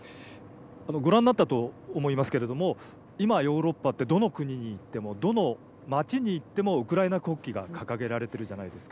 ご覧になったと思いますけれども今ヨーロッパってどの国に行ってもどの町に行ってもウクライナ国旗が掲げられているじゃないですか。